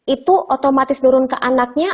itu otomatis turun ke anaknya